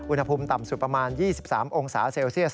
อุณหภูมิต่ำสุดประมาณ๒๓องศาเซลเซียส